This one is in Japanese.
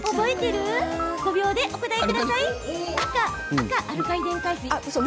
５秒でお答えください。